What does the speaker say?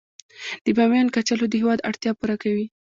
د بامیان کچالو د هیواد اړتیا پوره کوي